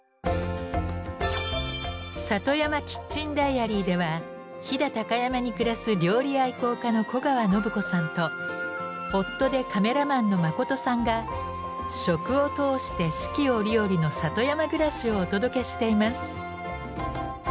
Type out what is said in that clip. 「ＳａｔｏｙａｍａＫｉｔｃｈｅｎＤｉａｒｙ」では飛騨高山に暮らす料理愛好家の古川伸子さんと夫でカメラマンの誠さんが食を通して四季折々の里山暮らしをお届けしています。